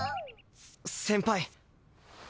先輩。